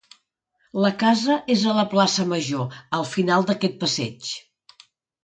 La casa és a la plaça Major, al final d'aquest passeig.